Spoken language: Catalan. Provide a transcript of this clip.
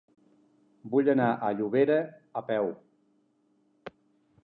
Vull anar a Llobera a peu.